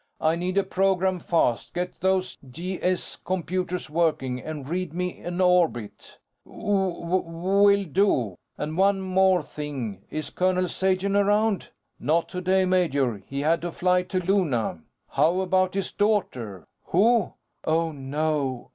"I need a program fast. Get those G.S. computers working and read me an orbit." "W will do." "And one more thing: Is Colonel Sagen around?" "Not today, major. He had to fly to Luna." "How about his daughter?" "Who?" _Oh, no!